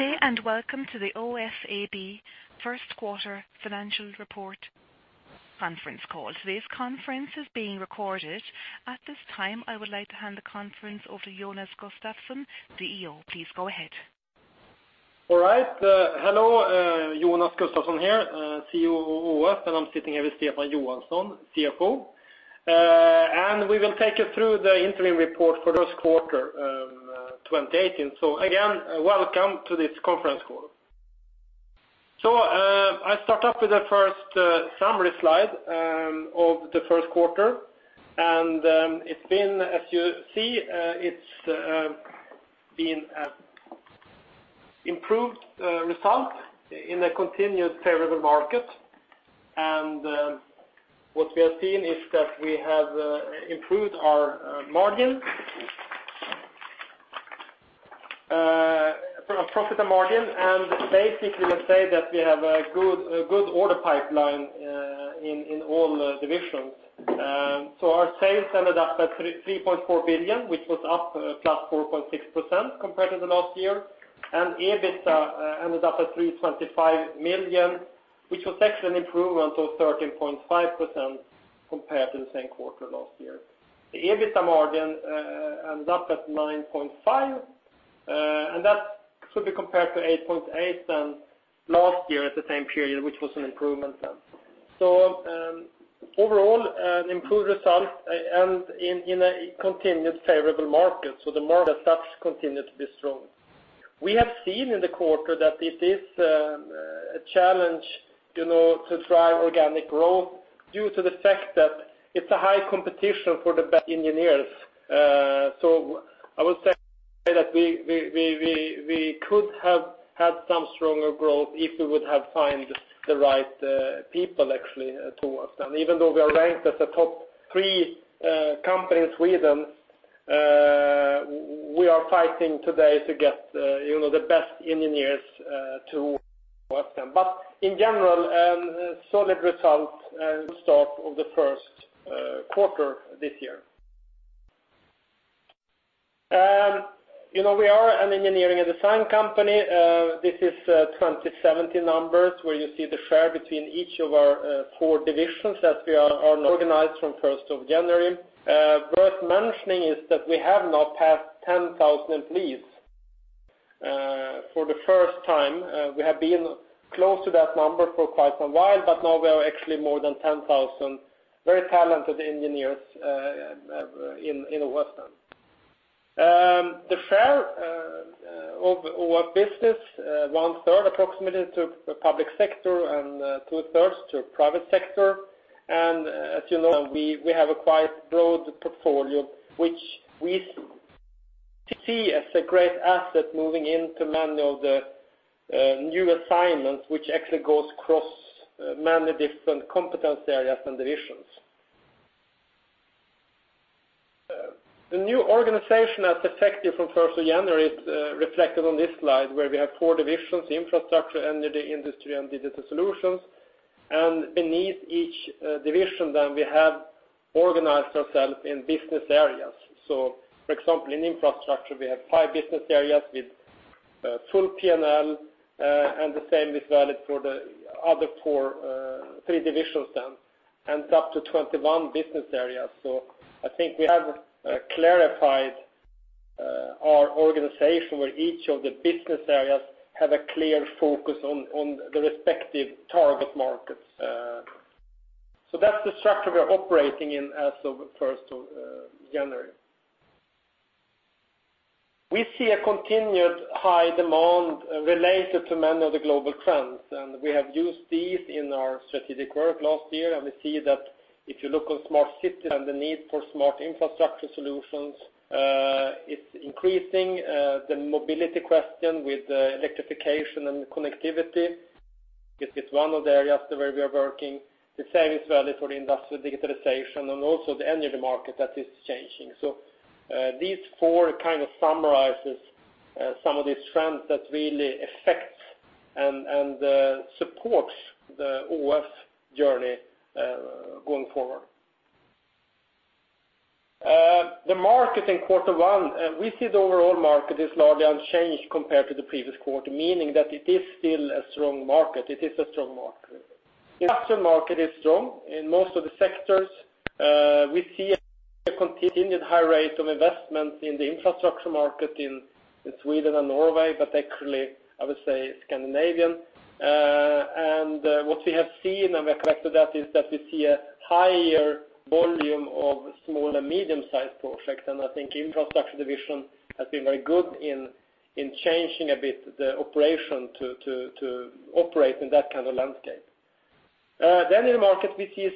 Good day, and welcome to the AFRY first quarter financial report conference call. Today's conference is being recorded. At this time, I would like to hand the conference over to Jonas Gustavsson, CEO. Please go ahead. All right. Hello, Jonas Gustavsson here, CEO of AFRY, and I'm sitting here with Stefan Johansson, CFO. We will take you through the interim report for this quarter of 2018. Again, welcome to this conference call. I start off with the first summary slide of the first quarter, and as you see, it's been an improved result in a continued favorable market. What we have seen is that we have improved our margin, profit and margin, and basically, we say that we have a good order pipeline in all divisions. Our sales ended up at 3.4 billion, which was up +4.6% compared to the last year. EBITDA ended up at 325 million, which was actually an improvement of 13.5% compared to the same quarter last year. The EBITDA margin ended up at 9.5%, and that should be compared to 8.8% last year at the same period, which was an improvement then. Overall, an improved result, and in a continued favorable market. The market itself continued to be strong. We have seen in the quarter that it is a challenge to drive organic growth due to the fact that it's a high competition for the best engineers. I would say that we could have had some stronger growth if we would have found the right people actually to us. Even though we are ranked as a top three company in Sweden, we are fighting today to get the best engineers to us. In general, solid results at the start of the first quarter this year. We are an engineering and design company. This is 2017 numbers, where you see the share between each of our four divisions as we are now organized from 1st of January. Worth mentioning is that we have now passed 10,000 employees for the first time. We have been close to that number for quite some while, but now we are actually more than 10,000 very talented engineers in AFRY. The share of our business, one third approximately to public sector and two-thirds to private sector. As you know, we have a quite broad portfolio, which we see as a great asset moving into many of the new assignments, which actually goes across many different competence areas and divisions. The new organization that's effective from 1st of January is reflected on this slide, where we have four divisions: Infrastructure, Energy, Industry, and Digital Solutions. Beneath each division then, we have organized ourselves in business areas. For example, in infrastructure, we have five business areas with full P&L, the same is valid for the other three divisions, it's up to 21 business areas. I think we have clarified our organization where each of the business areas have a clear focus on the respective target markets. That's the structure we are operating in as of 1st of January. We see a continued high demand related to many of the global trends, we have used these in our strategic work last year, we see that if you look on smart cities and the need for smart infrastructure solutions, it's increasing the mobility question with electrification and connectivity. It's one of the areas where we are working. The same is valid for the industrial digitalization and also the energy market that is changing. These four kind of summarizes some of these trends that really affect and supports the AFRY journey going forward. The market in quarter one, we see the overall market is largely unchanged compared to the previous quarter, meaning that it is still a strong market. It is a strong market. Industrial market is strong in most of the sectors. We see a continued high rate of investment in the infrastructure market in Sweden and Norway, but actually, I would say Scandinavian. What we have seen, and we are connected that, is that we see a higher volume of small and medium-sized projects, I think infrastructure division has been very good in changing a bit the operation to operate in that kind of landscape. In the market, we see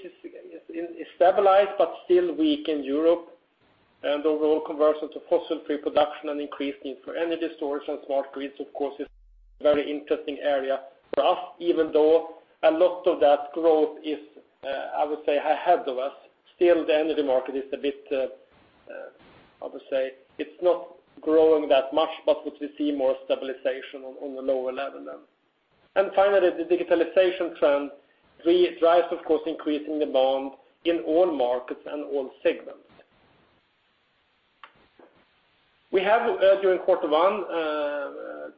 it's stabilized but still weak in Europe, overall conversion to fossil-free production and increased need for energy storage and smart grids, of course, is a very interesting area for us, even though a lot of that growth is, I would say, ahead of us. Still, the energy market is a bit, how to say, it's not growing that much, but what we see more stabilization on the lower level then. Finally, the digitalization trend drives, of course, increasing demand in all markets and all segments. We have, during quarter one,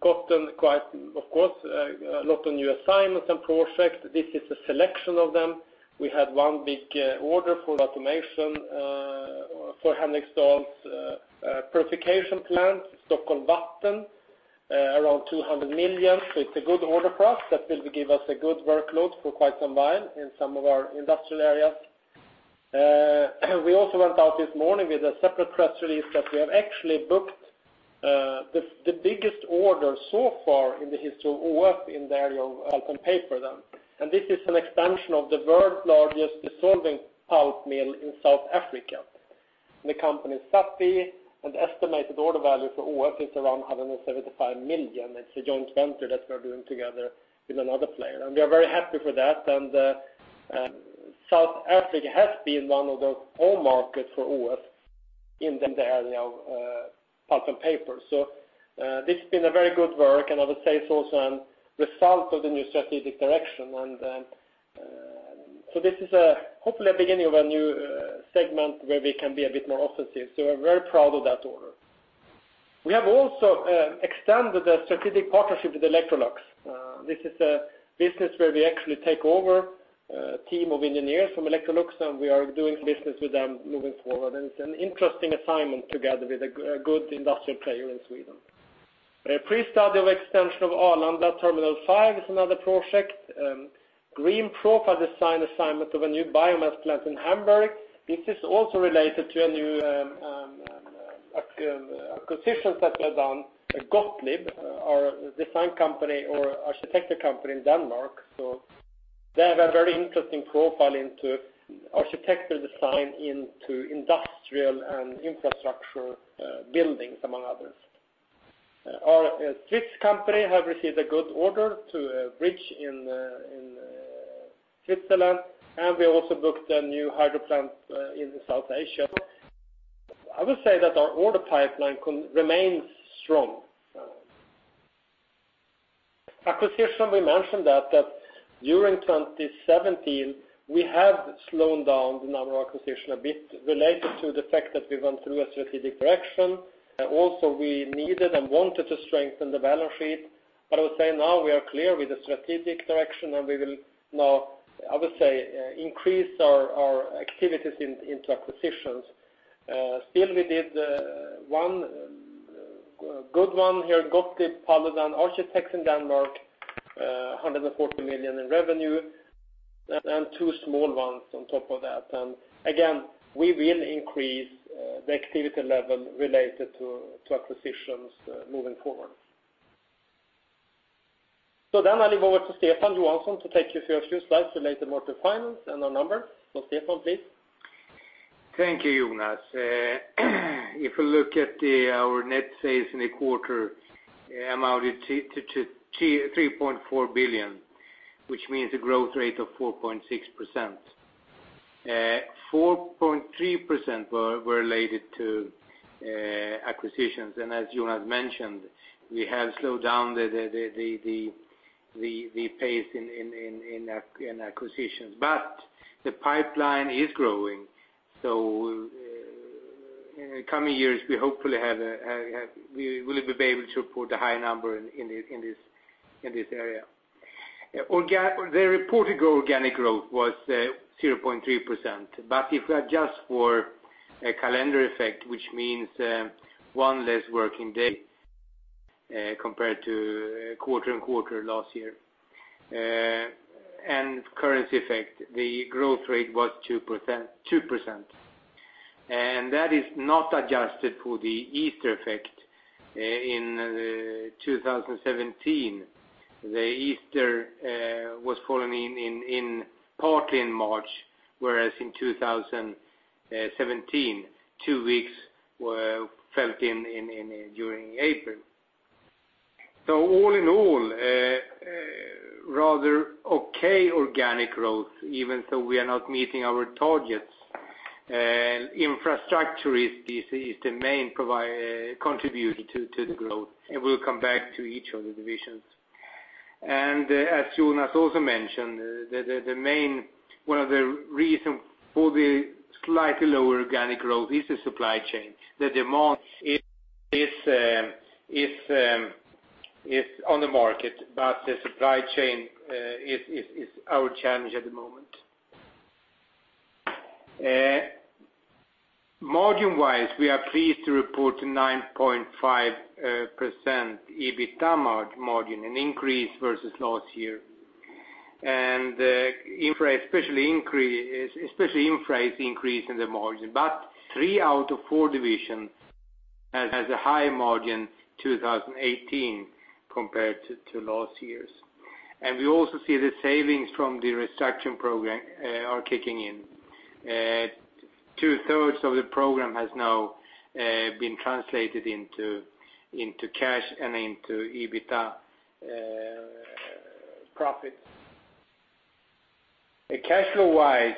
gotten a lot of new assignments and projects. This is a selection of them. We had one big order for automation for Henriksdal wastewater treatment plant, Stockholm Vatten, around 200 million. It's a good order for us that will give us a good workload for quite some while in some of our industrial areas. We also went out this morning with a separate press release that we have actually booked the biggest order so far in the history of AFRY in the area of pulp and paper. This is an expansion of the world's largest dissolving pulp mill in South Africa. The company is Sappi, the estimated order value for AFRY is around 175 million. It's a joint venture that we are doing together with another player, we are very happy for that. South Africa has been one of the core markets for AFRY in the area of pulp and paper. This has been a very good work, and I would say it's also a result of the new strategic direction. This is hopefully a beginning of a new segment where we can be a bit more offensive. We're very proud of that order. We have also extended a strategic partnership with Electrolux. This is a business where we actually take over a team of engineers from Electrolux, and we are doing business with them moving forward. It's an interesting assignment together with a good industrial player in Sweden. A pre-study of extension of Arlanda Terminal 5 is another project. Green profile design assignment of a new biomass plant in Hamburg. This is also related to a new acquisition that we have done, Gottlieb, our design company or architecture company in Denmark. They have a very interesting profile into architecture design into industrial and infrastructure buildings, among others. Our Swiss company have received a good order to a bridge in Switzerland, and we also booked a new hydro plant in South Asia. I would say that our order pipeline remains strong. Acquisition, we mentioned that during 2017, we have slowed down the number of acquisition a bit related to the fact that we went through a strategic direction, and also we needed and wanted to strengthen the balance sheet. I would say now we are clear with the strategic direction, and we will now, I would say, increase our activities into acquisitions. Still we did one good one here, Gottlieb Paludan Architects in Denmark, 140 million in revenue, and two small ones on top of that. Again, we will increase the activity level related to acquisitions moving forward. I leave over to Stefan Johansson to take you through a few slides related more to finance and our numbers. Stefan, please. Thank you, Jonas. If you look at our net sales in the quarter amounted to 3.4 billion, which means a growth rate of 4.6%. 4.3% were related to acquisitions, and as Jonas mentioned, we have slowed down the pace in acquisitions, but the pipeline is growing. In the coming years, we hopefully will be able to report a high number in this area. The reported organic growth was 0.3%, but if we adjust for a calendar effect, which means one less working day compared to quarter-over-quarter last year, and currency effect, the growth rate was 2%. That is not adjusted for the Easter effect. In 2017, the Easter was falling partly in March, whereas in 2017, two weeks fell during April. All in all, rather okay organic growth, even though we are not meeting our targets. Infrastructure is the main contributor to the growth, we'll come back to each of the divisions. As Jonas also mentioned, one of the reason for the slightly lower organic growth is the supply chain. The demand is on the market, but the supply chain is our challenge at the moment. Margin-wise, we are pleased to report a 9.5% EBITDA margin, an increase versus last year. Especially Infra is increase in the margin, but three out of four divisions has a higher margin 2018 compared to last year's. We also see the savings from the restructuring program are kicking in. Two-thirds of the program has now been translated into cash and into EBITDA profits. Cash flow-wise,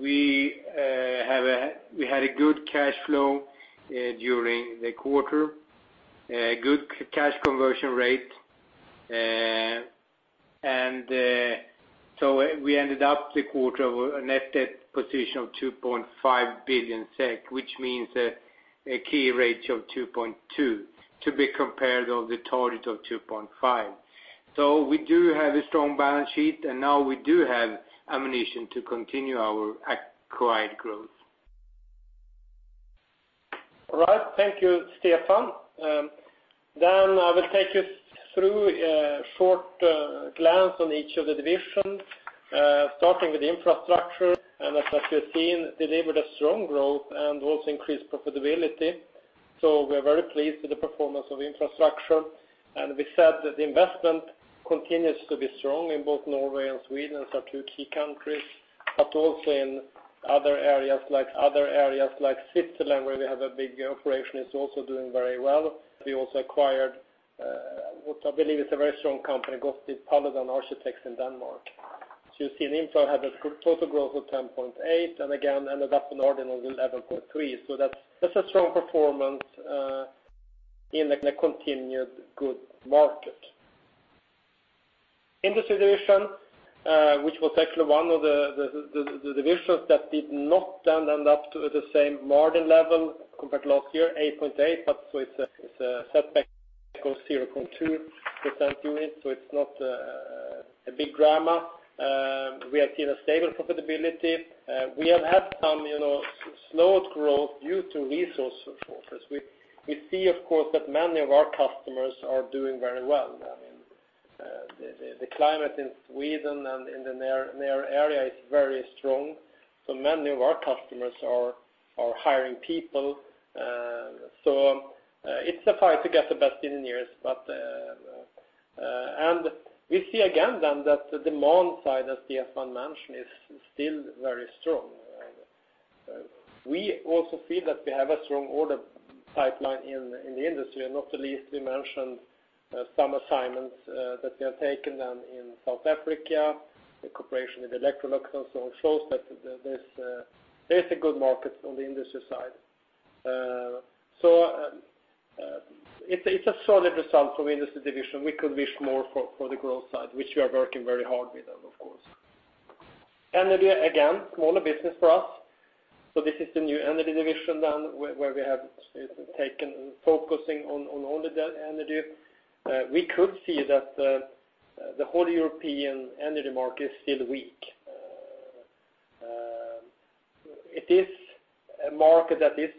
we had a good cash flow during the quarter, a good cash conversion rate. We ended up the quarter with a net debt position of 2.5 billion SEK, which means a key ratio of 2.2 to be compared of the target of 2.5. We do have a strong balance sheet, now we do have ammunition to continue our acquired growth. All right. Thank you, Stefan. I will take us through a short glance on each of the divisions, starting with Infrastructure, as you have seen, delivered a strong growth and also increased profitability. We are very pleased with the performance of Infrastructure. We said that the investment continues to be strong in both Norway and Sweden as our two key countries, but also in other areas like Switzerland, where we have a big operation, it's also doing very well. We also acquired, what I believe is a very strong company, Paludan Architects in Denmark. You see an Infra had a total growth of 10.8%, and again, ended up in organic 11.3%. That's a strong performance in a continued good market. Industry Division, which was actually one of the divisions that did not end up to the same margin level compared to last year, 8.8%. It's a setback of 0.2 percentage unit, it's not a big drama. We have seen a stable profitability. We have had some slowed growth due to resource shortages. We see, of course, that many of our customers are doing very well. The climate in Sweden and in their area is very strong. Many of our customers are hiring people. It's a fight to get the best engineers, we see again then that the demand side, as Stefan mentioned, is still very strong. We also feel that we have a strong order pipeline in the industry, and not the least we mentioned some assignments that we have taken in South Africa. The cooperation with Electrolux and so on shows that there's a good market on the industry side. It's a solid result from Industry division. We could wish more for the growth side, which we are working very hard with them, of course. Energy, again, smaller business for us. This is the new Energy division then where we have taken focusing on only energy. We could see that the whole European energy market is still weak. It is a market that is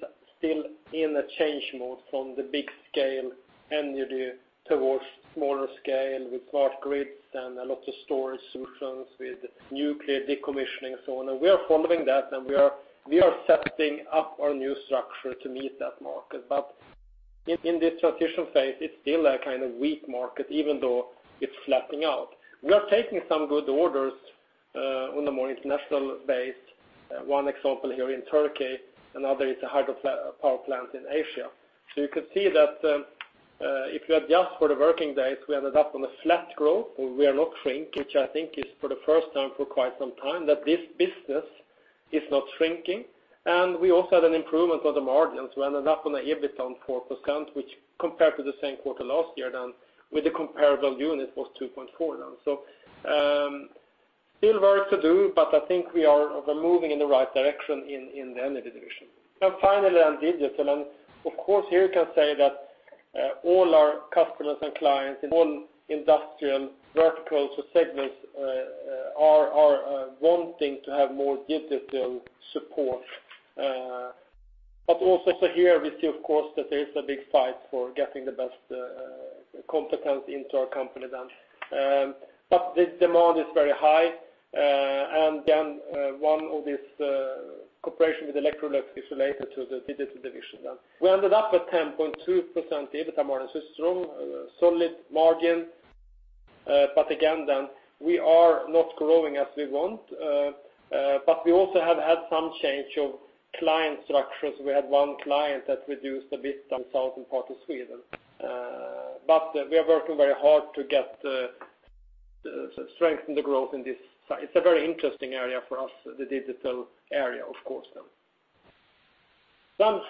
still in a change mode from the big scale energy towards smaller scale with smart grids and a lot of storage solutions with nuclear decommissioning and so on. We are following that. We are setting up our new structure to meet that market. In this transition phase, it's still a kind of weak market, even though it's flattening out. We are taking some good orders on a more international base. One example here in Turkey, another is a hydropower plant in Asia. You could see that if you adjust for the working days, we ended up on a flat growth. We are not shrinking, which I think is for the first time for quite some time that this business is not shrinking. We also had an improvement of the margins. We ended up on the EBITDA on 4%, which compared to the same quarter last year then with the comparable unit was 2.4 then. Still work to do, but I think we are moving in the right direction in the Energy division. Finally, on digital. Of course, here you can say that all our customers and clients in all industrial verticals or segments are wanting to have more digital support. Also here we see, of course, that there is a big fight for getting the best competence into our company then. The demand is very high, and then one of these cooperation with Electrolux is related to the Digital division then. We ended up at 10.2% EBITDA margin. It's strong, solid margin. Again then, we are not growing as we want, but we also have had some change of client structures. We had one client that reduced a bit in the southern part of Sweden. We are working very hard to strengthen the growth in this side. It's a very interesting area for us, the Digital area, of course then. Some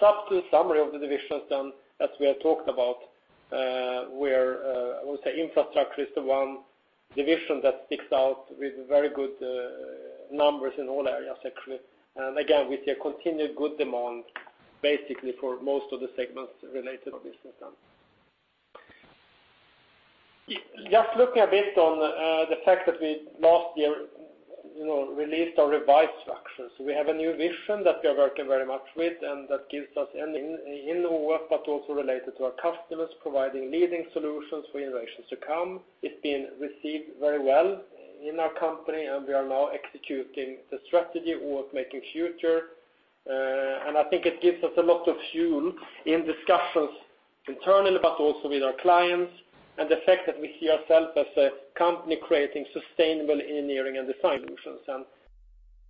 summary of the divisions then as we have talked about, where I would say Infrastructure is the one division that sticks out with very good numbers in all areas actually. Again, we see a continued good demand, basically for most of the segments related to business then. Just looking a bit on the fact that we last year released our revised structures. We have a new vision that we are working very much with. That gives us in AFRY, but also related to our customers, providing leading solutions for generations to come. It's been received very well in our company. We are now executing the strategy worth making future. I think it gives us a lot of fuel in discussions internally, but also with our clients, and the fact that we see ourself as a company creating sustainable engineering and design solutions.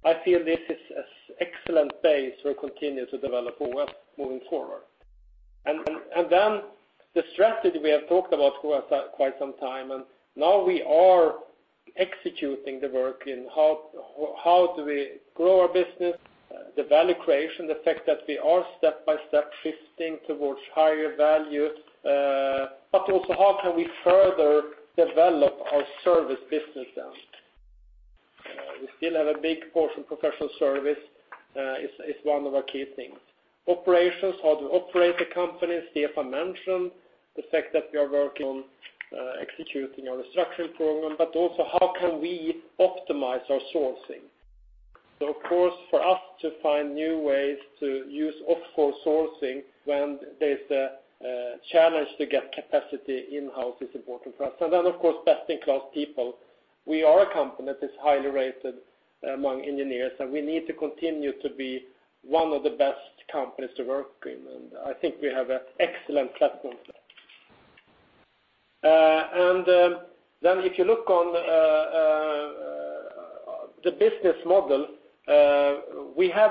I feel this is an excellent base we'll continue to develop going forward. The strategy we have talked about for quite some time, and now we are executing the work in how do we grow our business, the value creation, the fact that we are step by step shifting towards higher value, but also how can we further develop our service business then. We still have a big portion professional service. It's one of our key things. Operations, how to operate the company. Stefan mentioned the fact that we are working on executing our restructuring program, but also how can we optimize our sourcing. Of course, for us to find new ways to use offshore sourcing when there's a challenge to get capacity in-house is important for us. Of course, best-in-class people. We are a company that is highly rated among engineers, and we need to continue to be one of the best companies to work in, and I think we have an excellent platform. If you look on the business model, we have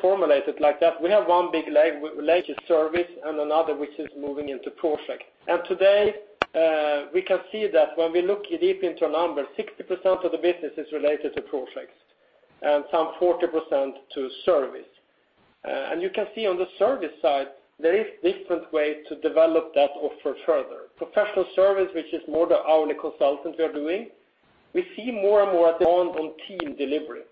formulated like that. We have one big leg which is service and another which is moving into project. Today, we can see that when we look deep into our numbers, 60% of the business is related to projects and some 40% to service. You can see on the service side, there is different way to develop that offer further. Professional service, which is more the hourly consultant we are doing, we see more and more demand on team delivery.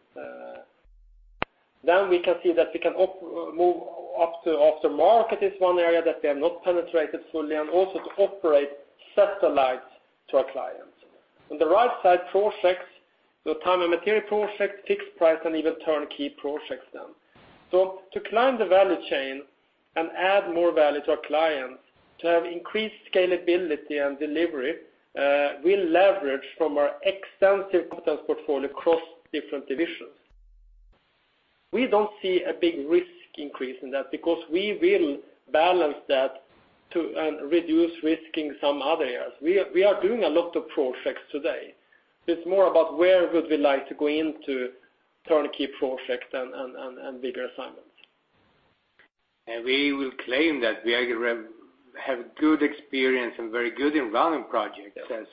We can see that we can move up to aftermarket is one area that we have not penetrated fully, and also to operate satellites to our clients. On the right side, projects, the time and material project, fixed price, and even turnkey projects then. To climb the value chain and add more value to our clients, to have increased scalability and delivery, we leverage from our extensive competence portfolio across different divisions. We don't see a big risk increase in that because we will balance that to reduce risk in some other areas. We are doing a lot of projects today. It's more about where would we like to go into turnkey projects and bigger assignments. We will claim that we have good experience and very good in running projects. Yes.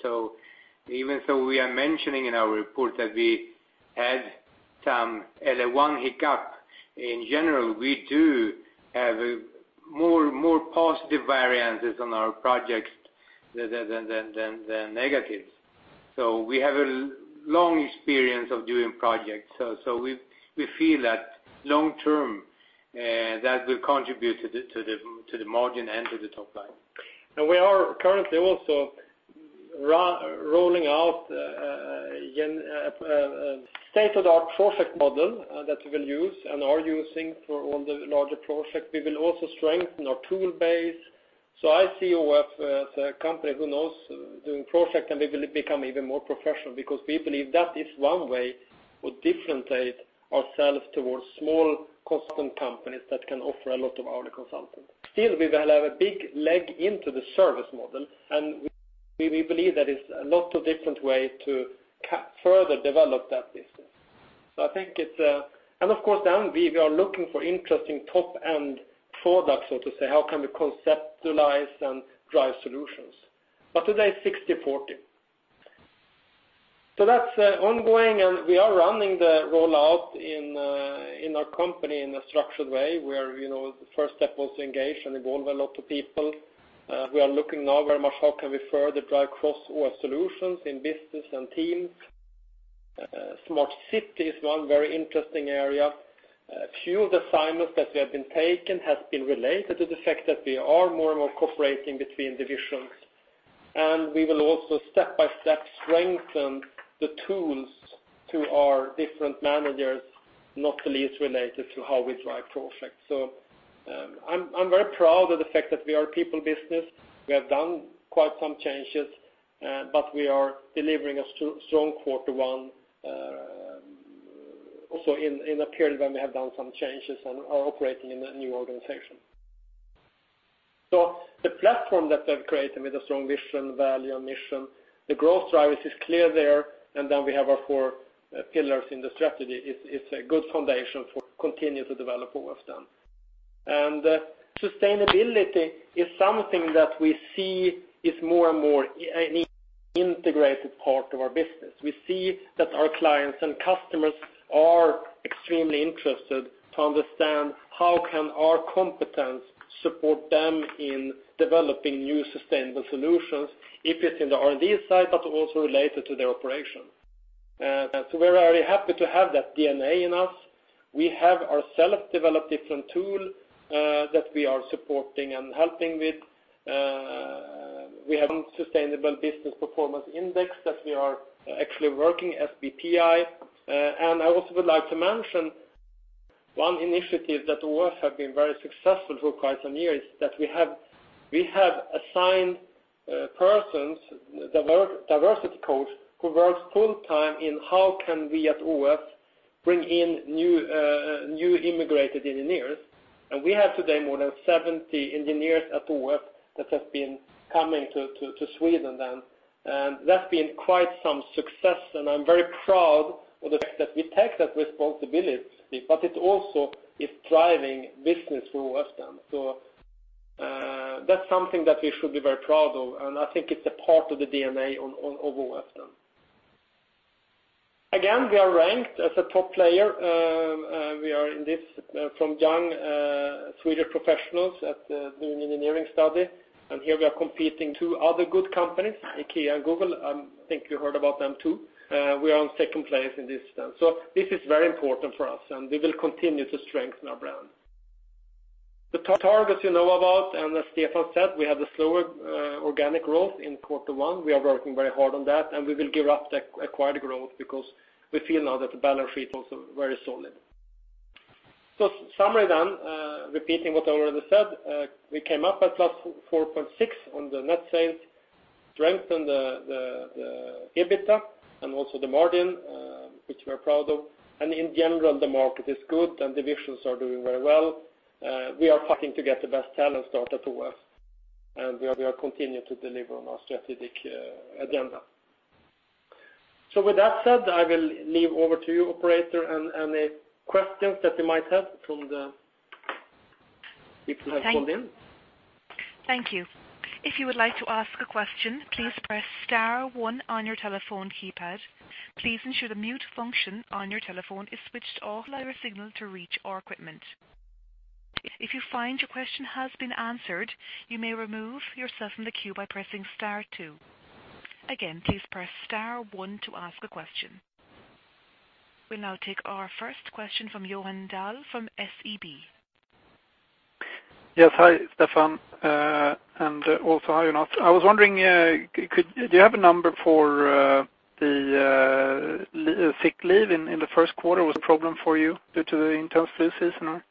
We are mentioning in our report that we had a one hiccup. In general, we do have more positive variances on our projects than negatives. We have a long experience of doing projects. We feel that long term, that will contribute to the margin and to the top line. We are currently also rolling out a state-of-the-art project model that we will use and are using for all the larger projects. We will also strengthen our tool base. I see ÅF as a company who knows doing project, and we will become even more professional because we believe that is one way to differentiate ourselves towards small custom companies that can offer a lot of hourly consultant. Still, we will have a big leg into the service model, and we believe there is a lot of different way to further develop that business. Of course, down we are looking for interesting top-end product, so to say, how can we conceptualize and drive solutions. Today it's 60/40. That's ongoing, and we are running the rollout in our company in a structured way, where the first step was to engage and involve a lot of people. We are looking now very much how can we further drive cross or solutions in business and teams. Smart city is one very interesting area. Few of the assignments that we have been taking has been related to the fact that we are more and more cooperating between divisions, and we will also step by step strengthen the tools to our different managers, not the least related to how we drive projects. I'm very proud of the fact that we are a people business. We have done quite some changes, we are delivering a strong quarter one, also in a period when we have done some changes and are operating in a new organization. The platform that we have created with a strong vision, value, and mission, the growth drivers is clear there, we have our four pillars in the strategy. It's a good foundation for continue to develop what we have done. Sustainability is something that we see is more and more an integrated part of our business. We see that our clients and customers are extremely interested to understand how can our competence support them in developing new sustainable solutions, if it's in the R&D side, but also related to their operation. We're very happy to have that DNA in us. We have ourselves developed different tool that we are supporting and helping with. We have Sustainable Business Performance Index that we are actually working, SBPI. I also would like to mention one initiative that we have been very successful for quite some years, that we have assigned persons, diversity coach, who works full time in how can we at ÅF bring in new immigrated engineers. We have today more than 70 engineers at ÅF that have been coming to Sweden then, and that's been quite some success and I'm very proud of the fact that we take that responsibility, but it also is driving business for ÅF then. That's something that we should be very proud of, and I think it's a part of the DNA of ÅF then. Again, we are ranked as a top player. We are in this from Universum Young Professionals at doing engineering study. Here we are competing two other good companies, IKEA and Google. I think you heard about them too. We are on second place in this. This is very important for us, and we will continue to strengthen our brand. The targets you know about, and as Stefan said, we have the slower organic growth in quarter one. We are working very hard on that, and we will give up the acquired growth because we feel now that the balance sheet also very solid. Summary then, repeating what I already said, we came up at +4.6% on the net sales, strengthened the EBITDA and also the margin, which we are proud of. In general, the market is good and divisions are doing very well. We are fighting to get the best talent start at AFRY, and we are continuing to deliver on our strategic agenda. With that said, I will leave over to you operator, and any questions that you might have from the people who have called in. Thank you. If you would like to ask a question, please press star one on your telephone keypad. Please ensure the mute function on your telephone is switched off, allow a signal to reach our equipment. If you find your question has been answered, you may remove yourself from the queue by pressing star two. Again, please press star one to ask a question. We'll now take our first question from Johan Dahl from SEB. Yes. Hi, Stefan. Also hi, Jonas. I was wondering, do you have a number for the sick leave in the first quarter? Was a problem for you due to the intense flu season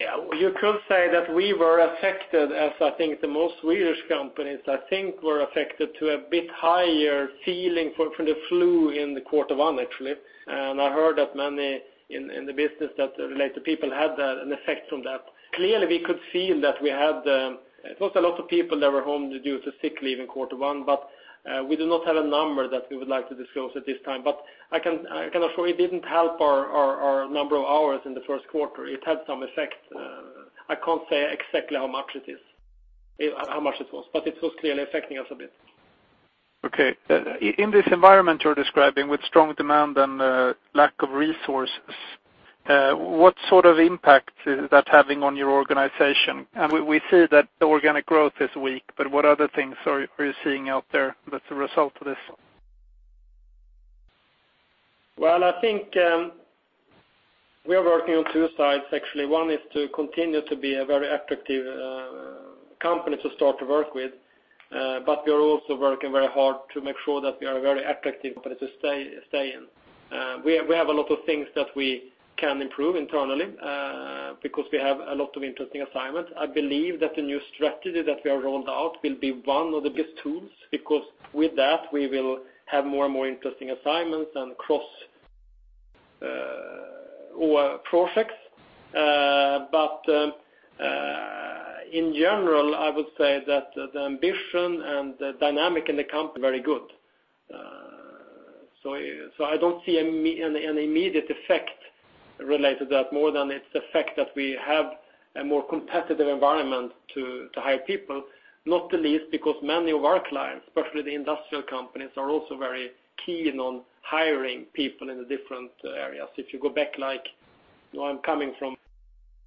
or? Yeah, you could say that we were affected, as I think the most Swedish companies, I think, were affected to a bit higher ceiling from the flu in Q1, actually. I heard that many in the business that relate to people had an effect from that. Clearly, we could feel that we had a lot of people that were home due to sick leave in Q1. We do not have a number that we would like to disclose at this time. I can assure it didn't help our number of hours in the first quarter. It had some effect. I can't say exactly how much it was, but it was clearly affecting us a bit. Okay. In this environment you're describing with strong demand and lack of resources, what sort of impact is that having on your organization? We see that the organic growth is weak, but what other things are you seeing out there that's a result of this? Well, I think we are working on two sides, actually. One is to continue to be a very attractive company to start to work with. We are also working very hard to make sure that we are a very attractive company to stay in. We have a lot of things that we can improve internally, because we have a lot of interesting assignments. I believe that the new strategy that we have rolled out will be one of the best tools, because with that, we will have more and more interesting assignments and cross projects. In general, I would say that the ambition and the dynamic in the company are very good. I don't see an immediate effect related to that, more than its effect that we have a more competitive environment to hire people. Not the least because many of our clients, especially the industrial companies, are also very keen on hiring people in the different areas. If you go back, like where I'm coming from,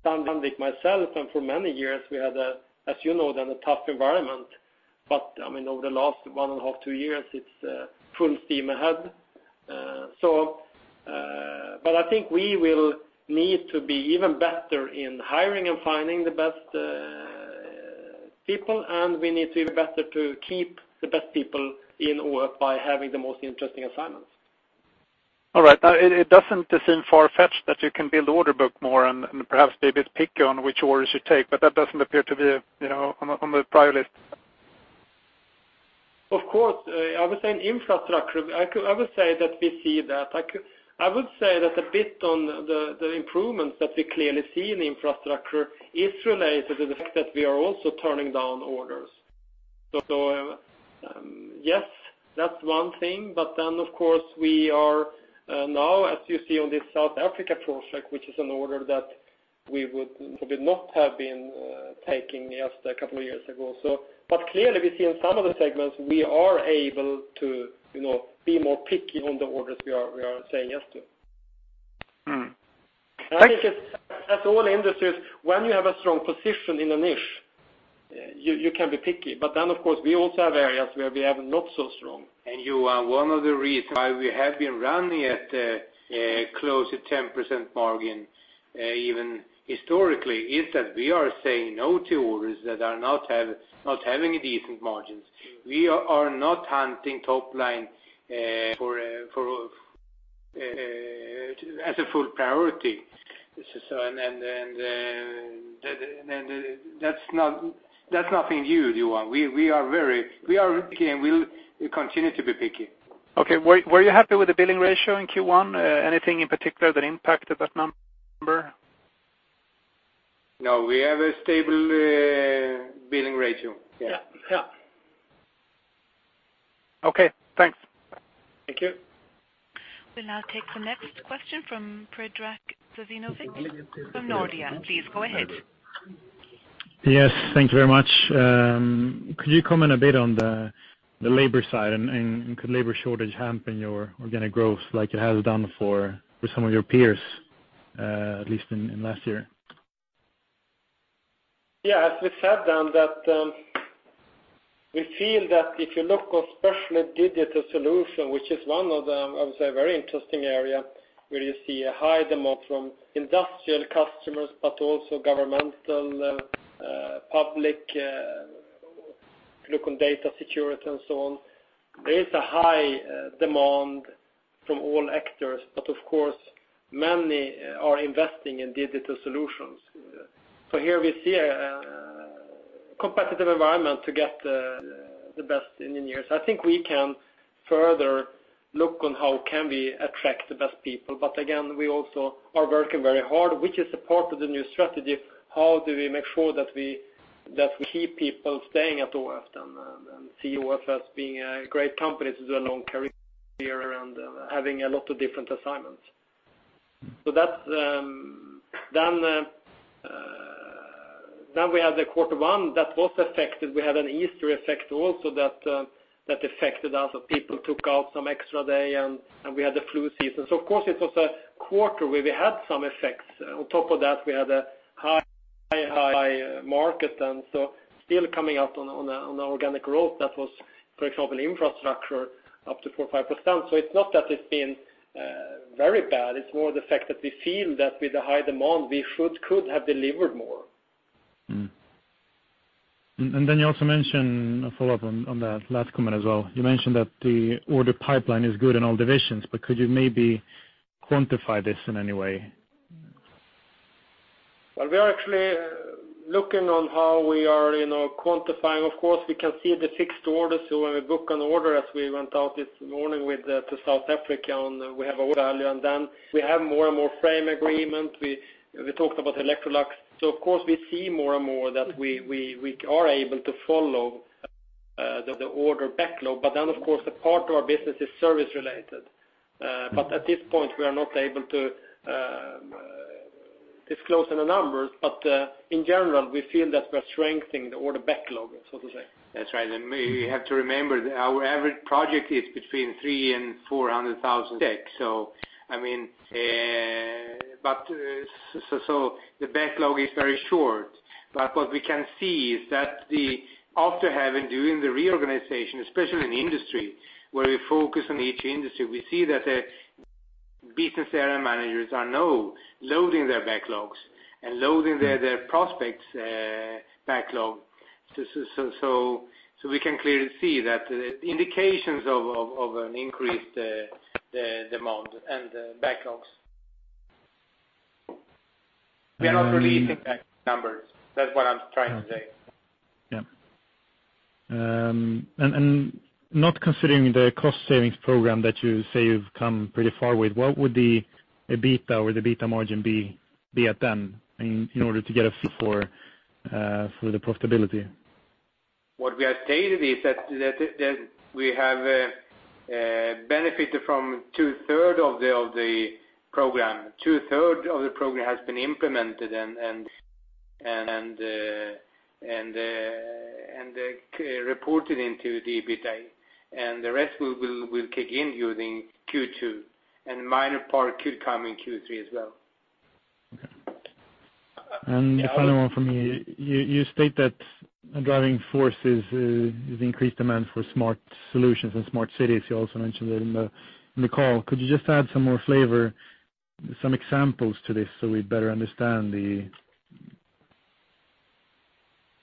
Sandvik myself, and for many years we had, as you know, then a tough environment. Over the last one and a half, two years, it's full steam ahead. I think we will need to be even better in hiring and finding the best people, and we need to be better to keep the best people in AFRY by having the most interesting assignments. All right. Now it doesn't seem far-fetched that you can build order book more and perhaps be a bit picky on which orders you take, but that doesn't appear to be on the priority list. Of course. I would say in infrastructure, I would say that we see that. I would say that a bit on the improvements that we clearly see in infrastructure is related to the fact that we are also turning down orders. Yes, that's one thing. Of course, we are now, as you see on this South Africa project, which is an order that we would probably not have been taking just a couple of years ago. Clearly we see in some of the segments, we are able to be more picky on the orders we are saying yes to. Thank you. As all industries, when you have a strong position in a niche, you can be picky. Of course, we also have areas where we are not so strong. Johan, one of the reasons why we have been running at close to 10% margin, even historically, is that we are saying no to orders that are not having a decent margins. We are not hunting top line as a full priority. That's nothing new, Johan. We are picky, and we'll continue to be picky. Okay. Were you happy with the billing ratio in Q1? Anything in particular that impacted that number? No, we have a stable billing ratio. Yeah. Okay, thanks. Thank you. We'll now take the next question from Predrag Savinovic from Nordea. Please go ahead. Yes, thank you very much. Could you comment a bit on the labor side, and could labor shortage hamper your organic growth like it has done for some of your peers, at least in last year? Yes. We feel that if you look especially at digital solution, which is one of the very interesting area, where you see a high demand from industrial customers, but also governmental, public, look on data security and so on. There is a high demand from all actors, but of course, many are investing in digital solutions. Here we see a competitive environment to get the best engineers. I think we can further look on how can we attract the best people. Again, we also are working very hard, which is a part of the new strategy, how do we make sure that we keep people staying at AFRY, and see AFRY as being a great company to do a long career and having a lot of different assignments. We have the quarter one that was affected. We had an Easter effect also that affected us, so people took out some extra day, and we had the flu season. Of course, it was a quarter where we had some effects. On top of that, we had a high market. Still coming up on organic growth that was, for example, infrastructure up to 4%-5%. It is not that it has been very bad. It is more the fact that we feel that with the high demand, we could have delivered more. Then a follow-up on that last comment as well. You mentioned that the order pipeline is good in all divisions. Could you maybe quantify this in any way? Well, we are actually looking on how we are quantifying. Of course, we can see the fixed orders. When we book an order, as we went out this morning to South Africa, and we have order value, and then we have more and more frame agreement. We talked about Electrolux. Of course, we see more and more that we are able to follow the order backlog. Of course, a part of our business is service related. At this point, we are not able to disclose any numbers. In general, we feel that we are strengthening the order backlog, so to say. That is right. We have to remember, our average project is between 300,000 and 400,000. The backlog is very short. What we can see is that after having doing the reorganization, especially in industry, where we focus on each industry, we see that the business area managers are now loading their backlogs and loading their prospects backlog. We can clearly see that the indications of an increased demand and backlogs. We are not releasing that numbers. That is what I am trying to say. Yeah. Not considering the cost savings program that you say you've come pretty far with, what would the EBITDA or the EBITDA margin be at then in order to get a feel for the profitability? What we have stated is that we have benefited from two-third of the program. Two-third of the program has been implemented and reported into the EBITDA. The rest will kick in during Q2, and a minor part could come in Q3 as well. Okay. The final one from me, you state that a driving force is the increased demand for smart solutions and smart cities. You also mentioned that in the call. Could you just add some more flavor, some examples to this so we better understand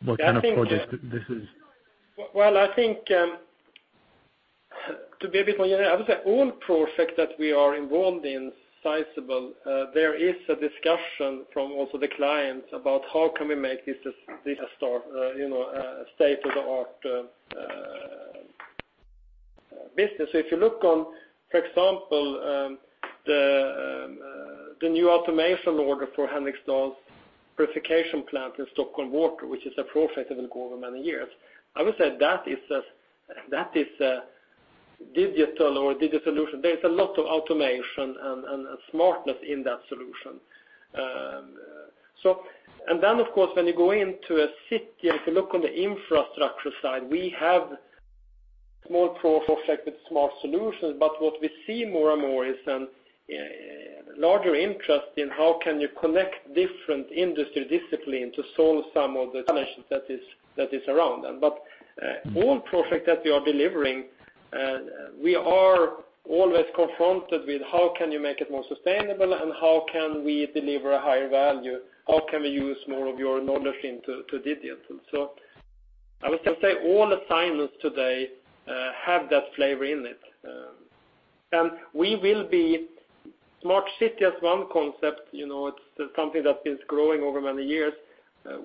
what kind of project this is? I would say all projects that we are involved in sizable, there is a discussion from also the clients about how can we make this a state-of-the-art business. If you look on, for example, the new automation order for Henriksdal wastewater treatment plant in Stockholm Vatten, which is a project that will go over many years, I would say that is a digital or digital solution. There is a lot of automation and smartness in that solution. Then, of course, when you go into a city, if you look on the infrastructure side, we have small projects with smart solutions. What we see more and more is a larger interest in how can you connect different industry disciplines to solve some of the challenges that is around them. All project that we are delivering, we are always confronted with how can you make it more sustainable, and how can we deliver a higher value? How can we use more of your knowledge into digital? I would say all assignments today have that flavor in it. smart city as one concept, it's something that's been growing over many years.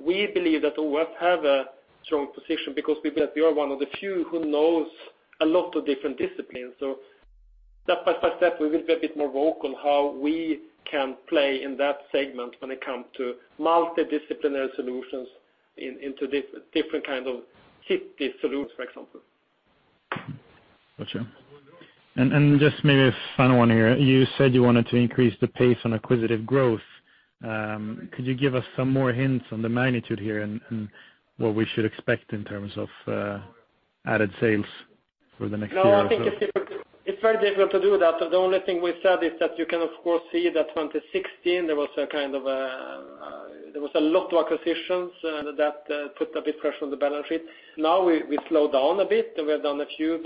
We believe that AFRY have a strong position because we are one of the few who knows a lot of different disciplines. Step by step, we will be a bit more vocal on how we can play in that segment when it comes to multidisciplinary solutions into different kind of city solutions, for example. Got you. Just maybe a final one here. You said you wanted to increase the pace on acquisitive growth. Could you give us some more hints on the magnitude here and what we should expect in terms of added sales for the next year? I think it's very difficult to do that. The only thing we've said is that you can of course see that 2016, there was a lot of acquisitions, that put a bit pressure on the balance sheet. We slow down a bit we have done a few,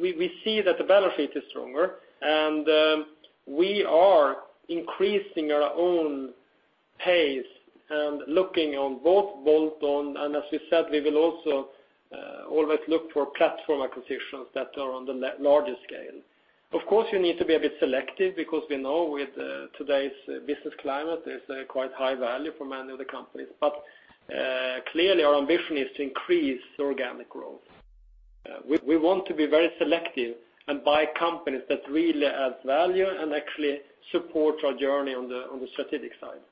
we see that the balance sheet is stronger, we are increasing our own pace and looking on both bolt-on, as we said, we will also always look for platform acquisitions that are on the larger scale. Of course, you need to be a bit selective because we know with today's business climate, there's a quite high value for many of the companies. Clearly our ambition is to increase the organic growth. We want to be very selective and buy companies that really add value and actually support our journey on the strategic side.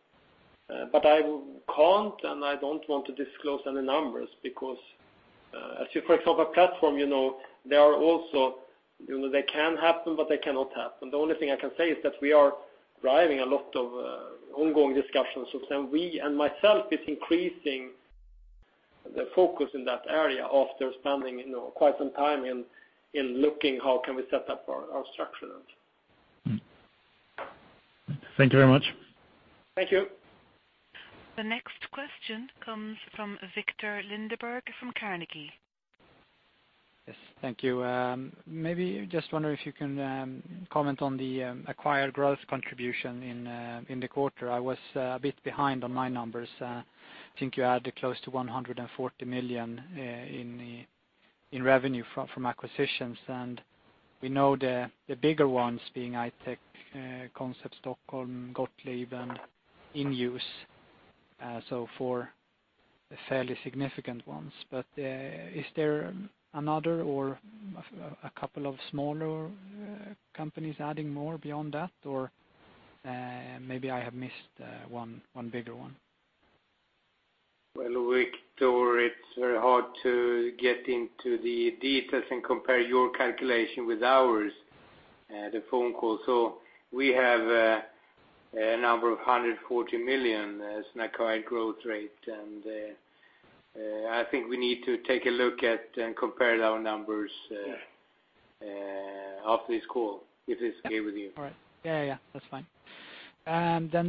I can't, I don't want to disclose any numbers because, for example, a platform, they can happen, but they cannot happen. The only thing I can say is that we are driving a lot of ongoing discussions, we and myself is increasing the focus in that area after spending quite some time in looking how can we set up our structure then. Thank you very much. Thank you. The next question comes from Viktor Lindeberg from Carnegie. Yes. Thank you. Maybe just wonder if you can comment on the acquired growth contribution in the quarter. I was a bit behind on my numbers. I think you added close to 140 million in revenue from acquisitions, and we know the bigger ones being ITERA, Koncept Stockholm, Gottlieb, and inUse. So four fairly significant ones. Is there another or a couple of smaller companies adding more beyond that? Maybe I have missed one bigger one. Viktor, it's very hard to get into the details and compare your calculation with ours, the phone call. We have a number of 140 million as an acquired growth rate. I think we need to take a look at and compare our numbers after this call, if it's okay with you. All right. Yeah. That's fine.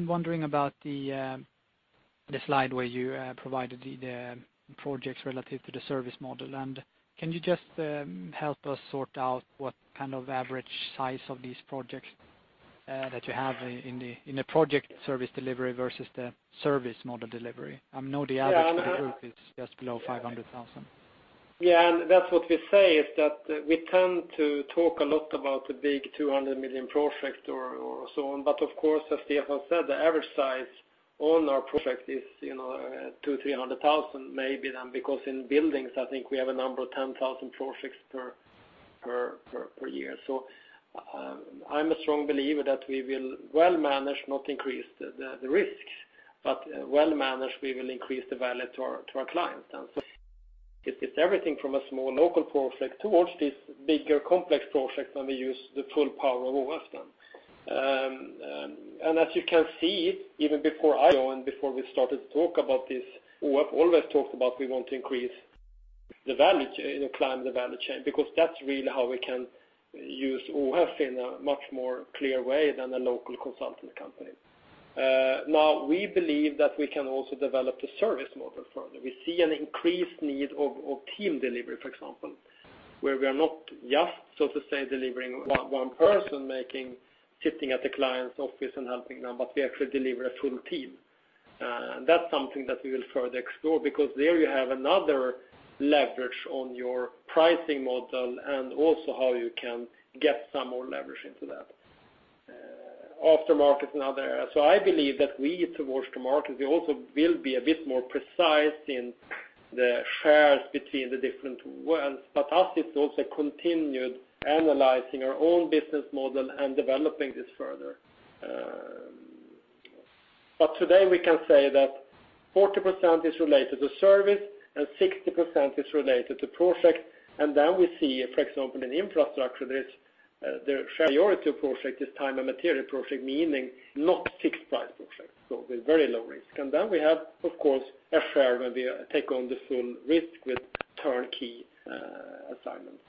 Wondering about the slide where you provided the projects relative to the service model. Can you just help us sort out what kind of average size of these projects that you have in the project service delivery versus the service model delivery? I know the average for the group is just below 500,000. That's what we say is that we tend to talk a lot about the big 200 million project or so on. Of course, as Stefan said, the average size on our project is two or 300,000 maybe then because in buildings, I think we have a number of 10,000 projects per year. I'm a strong believer that we will well manage, not increase the risks, but well manage, we will increase the value to our clients then. It's everything from a small local project towards this bigger complex project, then we use the full power of ÅF now. As you can see, even before I go and before we started to talk about this, ÅF always talked about we want to increase the value, climb the value chain, because that's really how we can use ÅF in a much more clear way than a local consulting company. We believe that we can also develop the service model further. We see an increased need of team delivery, for example, where we are not just, so to say, delivering one person sitting at the client's office and helping them, but we actually deliver a full team. That's something that we will further explore because there you have another leverage on your pricing model and also how you can get some more leverage into that. Aftermarket is another area. I believe that we towards the market, we also will be a bit more precise in the shares between the different worlds. Us, it is also continued analyzing our own business model and developing this further. Today we can say that 40% is related to service and 60% is related to project. Then we see, for example, in infrastructure, the majority of project is time and material project, meaning not fixed price project. With very low risk. Then we have, of course, a share where we take on the full risk with turnkey assignments.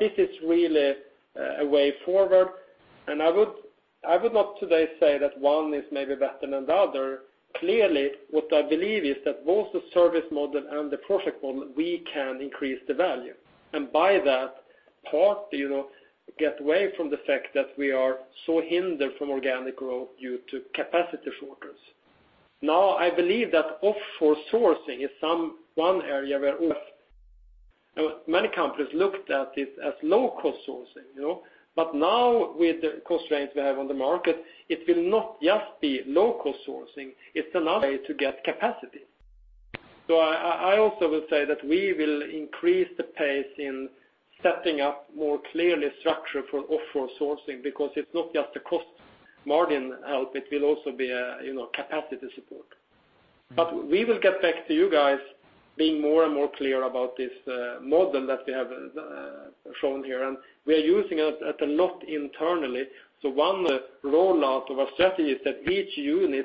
This is really a way forward, and I would not today say that one is maybe better than the other. Clearly, what I believe is that both the service model and the project model, we can increase the value. By that part, get away from the fact that we are so hindered from organic growth due to capacity shortages. Now, I believe that offshore sourcing is one area where many companies looked at it as local sourcing. Now with the constraints we have on the market, it will not just be local sourcing, it is another way to get capacity. I also will say that we will increase the pace in setting up more clearly structure for offshore sourcing because it is not just the cost margin help, it will also be a capacity support. We will get back to you guys being more and more clear about this model that we have shown here, and we are using it a lot internally. One rollout of our strategy is that each unit,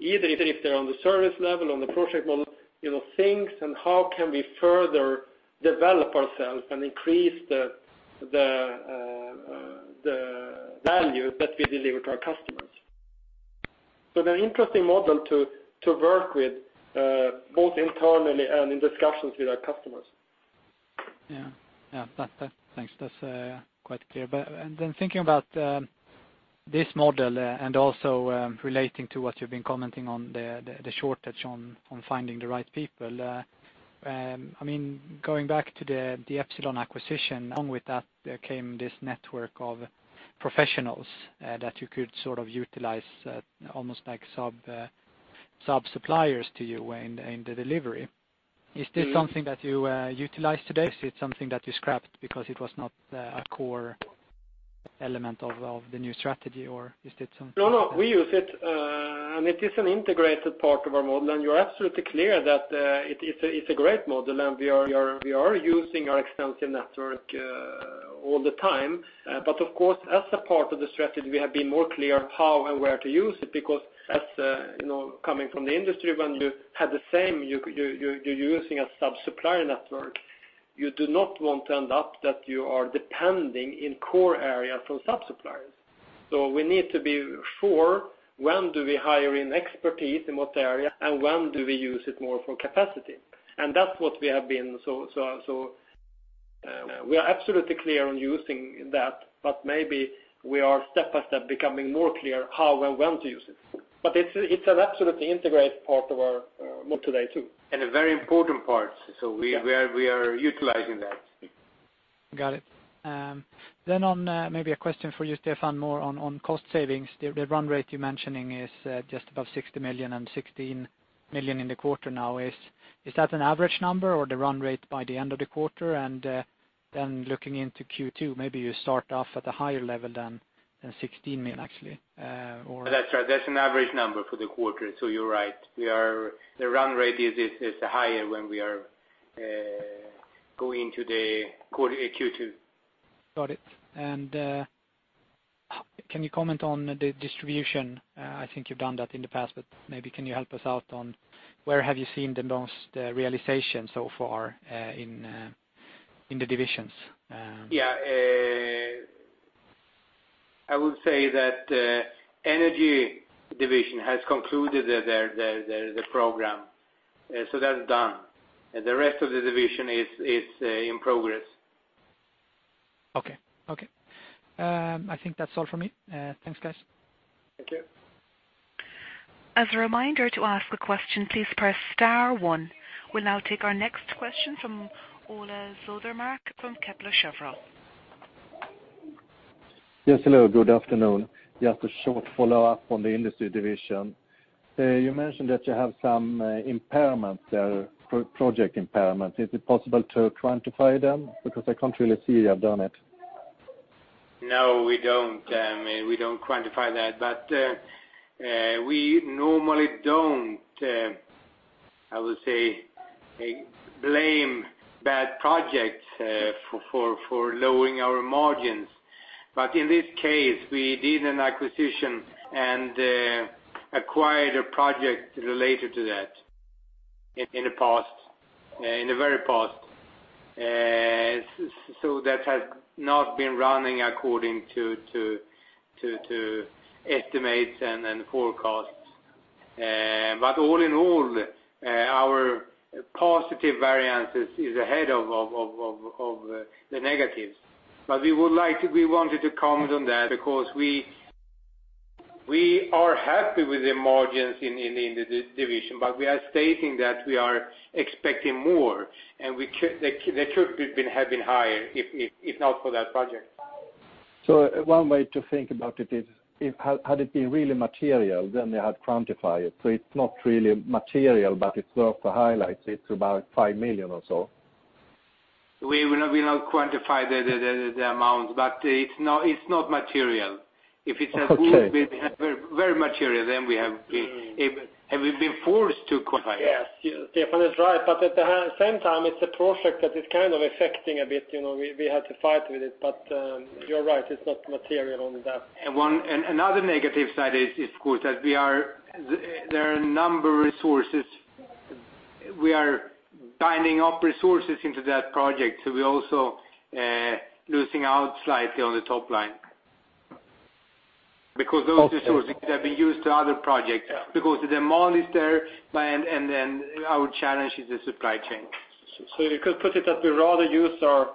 even if they are on the service level, on the project model, thinks about how can we further develop ourselves and increase the value that we deliver to our customers. It is an interesting model to work with, both internally and in discussions with our customers. Thanks. That is quite clear. Then thinking about this model and also relating to what you have been commenting on the shortage on finding the right people. Going back to the Epsilon acquisition, along with that, there came this network of professionals that you could utilize almost like sub-suppliers to you in the delivery. Is this something that you utilize today? Is it something that you scrapped because it was not a core element of the new strategy? No, we use it is an integrated part of our model, you're absolutely clear that it's a great model and we are using our extensive network all the time. Of course, as a part of the strategy, we have been more clear how and where to use it because as coming from the industry, when you have the same, you're using a sub-supplier network. You do not want to end up that you are depending in core areas on sub-suppliers. We need to be sure when do we hire in expertise, in what area, and when do we use it more for capacity? That's what we have been. We are absolutely clear on using that, maybe we are step by step becoming more clear how and when to use it. It's an absolutely integrated part of our model today too. A very important part. We are utilizing that. Got it. On maybe a question for you, Stefan, more on cost savings. The run rate you're mentioning is just above 60 million and 16 million in the quarter now. Is that an average number or the run rate by the end of the quarter? Looking into Q2, maybe you start off at a higher level than 16 million actually. That's right. That's an average number for the quarter. You're right. The run rate is higher when we are going into the Q2. Got it. Can you comment on the distribution? I think you've done that in the past, but maybe can you help us out on where have you seen the most realization so far in the divisions? Yeah. I would say that energy division has concluded their program. That's done. The rest of the division is in progress. Okay. I think that's all for me. Thanks, guys. Thank you. As a reminder to ask a question, please press star one. We'll now take our next question from Ole Sodemark from Kepler Cheuvreux. Yes, hello. Good afternoon. Just a short follow-up on the industry division. You mentioned that you have some impairments there, project impairment. Is it possible to quantify them? Because I can't really see you have done it. No, we don't. We don't quantify that. We normally don't, I would say, blame bad projects for lowering our margins. In this case, we did an acquisition and acquired a project related to that in the very past. That has not been running according to estimates and forecasts. All in all, our positive variance is ahead of the negatives. We wanted to comment on that because we are happy with the margins in the division, but we are stating that we are expecting more, and they could have been higher if not for that project. One way to think about it is if had it been really material, then they had quantified it. It's not really material, but it's worth a highlight. It's about 5 million or so. We will not quantify the amount, but it's not material. If it Okay very material, then we have been forced to quantify it. Yes. Stefan is right. At the same time, it's a project that is kind of affecting a bit. We have to fight with it, but you're right, it's not material on that. Another negative side is, of course, that there are a number of resources. We are tying up resources into that project, so we're also losing out slightly on the top line because those resources have been used to other projects because the demand is there, and then our challenge is the supply chain. You could put it that we'd rather use our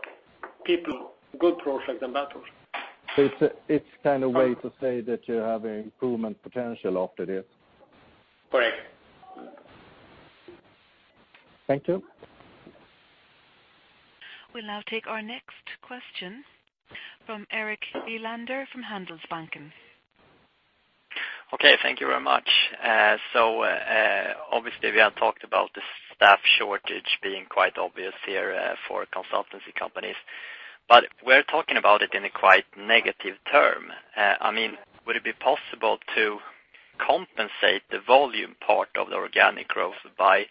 people on good projects than bad projects. It's kind of way to say that you have an improvement potential after this. Correct. Thank you. We'll now take our next question from Erik Nylander from Handelsbanken. Okay. Thank you very much. Obviously we have talked about the staff shortage being quite obvious here for consultancy companies. We're talking about it in a quite negative term. Would it be possible to compensate the volume part of the organic growth by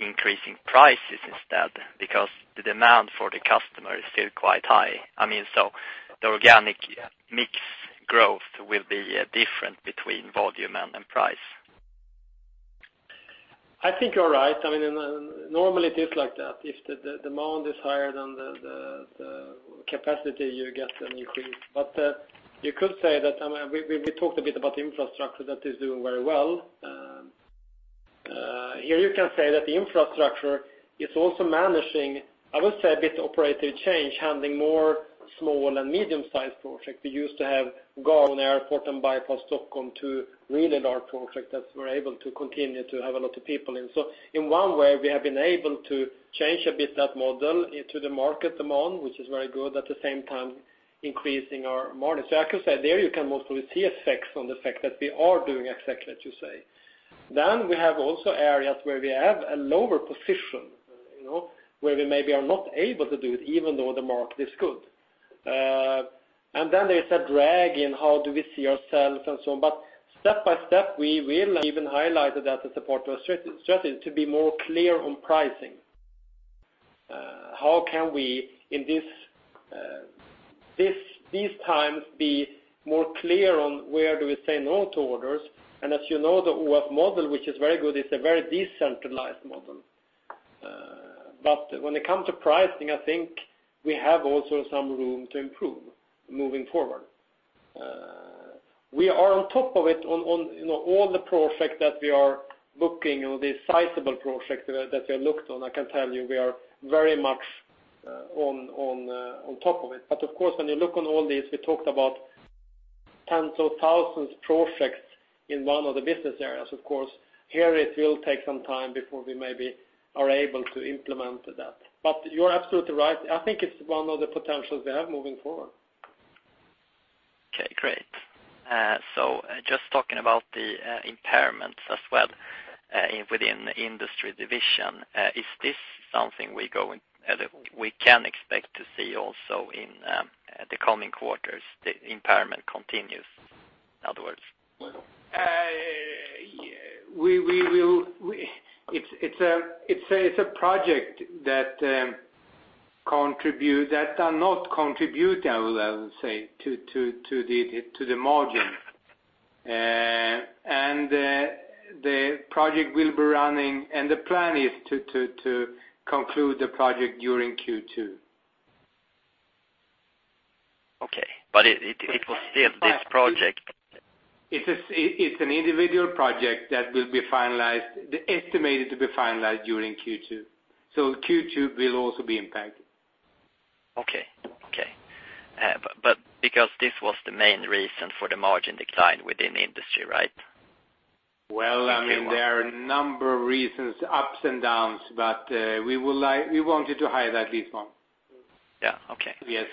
increasing prices instead? The demand for the customer is still quite high. The organic mix growth will be different between volume and price. I think you're right. Normally it is like that. If the demand is higher than the capacity, you get an increase. You could say that we talked a bit about infrastructure that is doing very well. Here you can say that the infrastructure is also managing, I would say, a bit of operative change, handling more small and medium-sized projects. We used to have Gatwick Airport and Stockholm Bypass, two really large projects that we're able to continue to have a lot of people in. In one way, we have been able to change a bit that model into the market demand, which is very good, at the same time increasing our margin. I could say there you can also see effects on the fact that we are doing exactly what you say. We have also areas where we have a lower position, where we maybe are not able to do it even though the market is good. There's a drag in how do we see ourselves and so on. Step by step, we will even highlight that as a support to our strategy to be more clear on pricing. How can we, in these times, be more clear on where do we say no to orders? As you know, the AFRY model, which is very good, it's a very decentralized model. When it comes to pricing, I think we have also some room to improve moving forward. We are on top of it on all the projects that we are booking, the sizable projects that we have looked on, I can tell you, we are very much on top of it. Of course, when you look on all these, we talked about tens of thousands of projects in one of the business areas. Of course, here it will take some time before we maybe are able to implement that. You are absolutely right. I think it's one of the potentials we have moving forward. Okay, great. Just talking about the impairments as well within the industry division. Is this something we can expect to see also in the coming quarters, the impairment continues, in other words? It's a project that does not contribute, I would say, to the margin. The plan is to conclude the project during Q2. Okay. It was still this project. It's an individual project that is estimated to be finalized during Q2. Q2 will also be impacted. Okay. Because this was the main reason for the margin decline within the industry, right? Well, there are a number of reasons, ups and downs, but we wanted to highlight at least one. Yeah. Okay. Yes.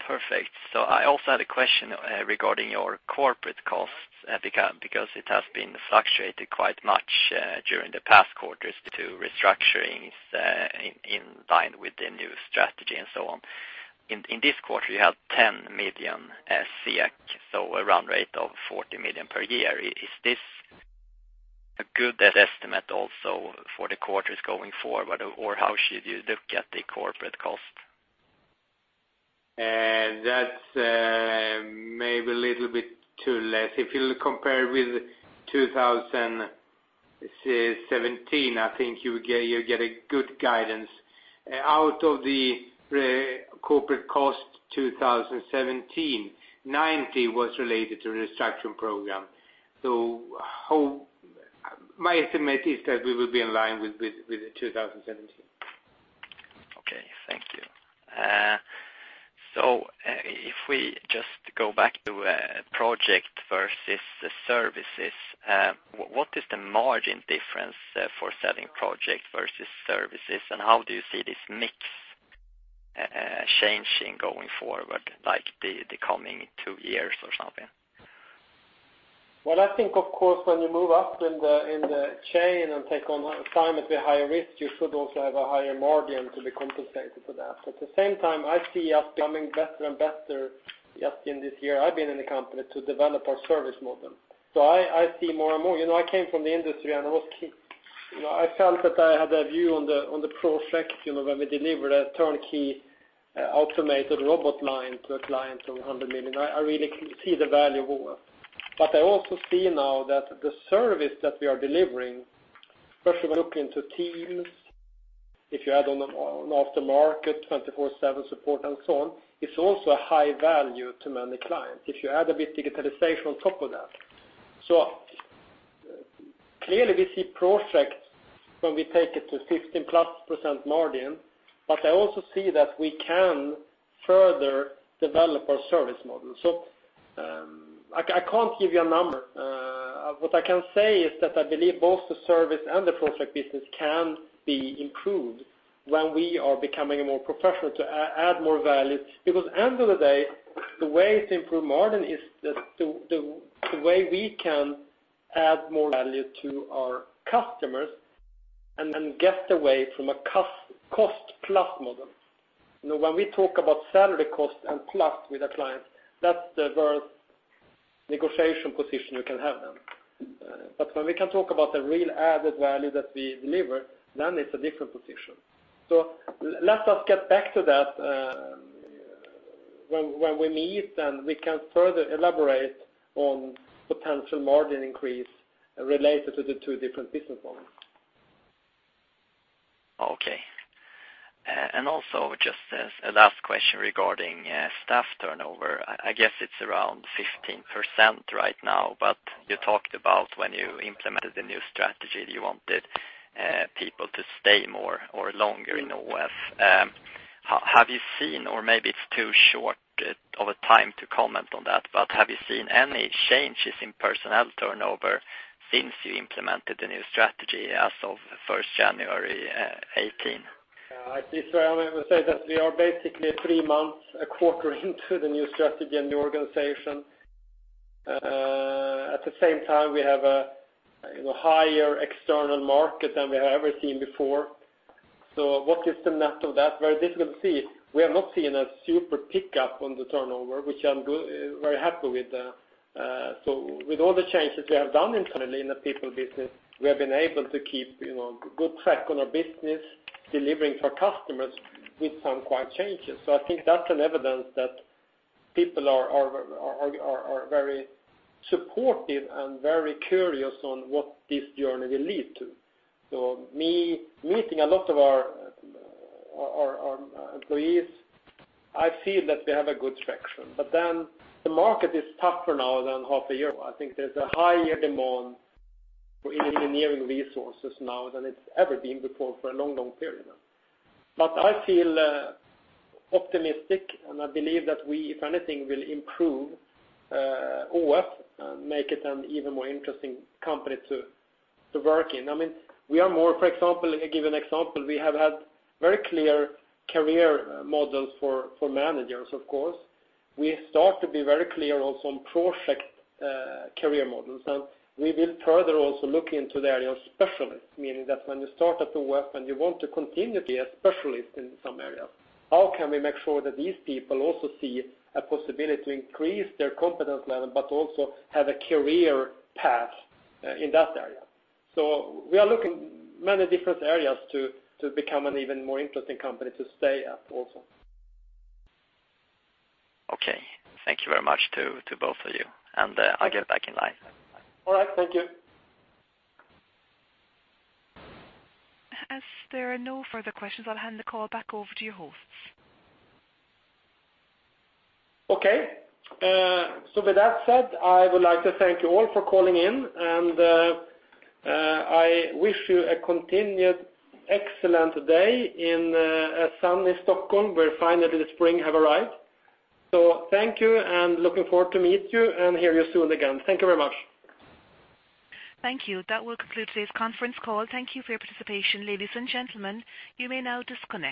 Perfect. I also had a question regarding your corporate costs, because it has been fluctuating quite much during the past quarters due to restructurings in line with the new strategy and so on. In this quarter, you have 10 million, so a run rate of 40 million per year. Is this a good estimate also for the quarters going forward? Or how should you look at the corporate cost? That's maybe a little bit too less. If you compare with 2017, I think you get a good guidance. Out of the corporate cost 2017, 90 was related to the restructuring program. My estimate is that we will be in line with 2017. Okay, thank you. If we just go back to project versus services, what is the margin difference for selling project versus services? How do you see this mix changing going forward, like the coming two years or something? Well, I think, of course, when you move up in the chain and take on assignments with higher risk, you should also have a higher margin to be compensated for that. At the same time, I see us becoming better and better, just in this year I've been in the company, to develop our service model. I see more and more. I came from the industry, I felt that I had a view on the project, when we delivered a turnkey automated robot line to a client of 100 million. I really see the value of AFRY. I also see now that the service that we are delivering, first of all, looking into teams, if you add on an aftermarket 24/7 support and so on, it's also a high value to many clients. If you add a bit digitalization on top of that. Clearly we see projects when we take it to 15-plus% margin, I also see that we can further develop our service model. I can't give you a number. What I can say is that I believe both the service and the project business can be improved when we are becoming more professional to add more value. End of the day, the way to improve margin is the way we can add more value to our customers and get away from a cost-plus model. When we talk about salary cost and plus with a client, that's the worst negotiation position you can have then. When we can talk about the real added value that we deliver, then it's a different position. Let us get back to that when we meet. We can further elaborate on potential margin increase related to the two different business models. Okay. Also just a last question regarding staff turnover. I guess it's around 15% right now, but you talked about when you implemented the new strategy, you wanted people to stay more or longer in ÅF. Have you seen, or maybe it's too short of a time to comment on that, but have you seen any changes in personnel turnover since you implemented the new strategy as of 1st January 2018? I see. I would say that we are basically three months, a quarter into the new strategy and the organization. At the same time, we have a higher external market than we have ever seen before. What is the net of that? Very difficult to see. We have not seen a super pickup on the turnover, which I'm very happy with. With all the changes we have done internally in the people business, we have been able to keep good track on our business, delivering to our customers with some quite changes. I think that's an evidence that people are very supportive and very curious on what this journey will lead to. Me meeting a lot of our employees, I feel that they have a good traction. The market is tougher now than half a year ago. I think there's a higher demand for engineering resources now than it's ever been before for a long period now. I feel optimistic, and I believe that we, if anything, will improve ÅF, make it an even more interesting company to work in. To give you an example, we have had very clear career models for managers, of course. We start to be very clear also on project career models. Now we will further also look into the area of specialists, meaning that when you start at ÅF and you want to continue to be a specialist in some area, how can we make sure that these people also see a possibility to increase their competence level but also have a career path in that area? We are looking many different areas to become an even more interesting company to stay at also. Okay. Thank you very much to both of you, and I'll get back in line. All right. Thank you. As there are no further questions, I'll hand the call back over to your hosts. Okay. With that said, I would like to thank you all for calling in, and I wish you a continued excellent day in a sunny Stockholm, where finally the spring have arrived. Thank you, and looking forward to meet you and hear you soon again. Thank you very much. Thank you. That will conclude today's conference call. Thank you for your participation. Ladies and gentlemen, you may now disconnect.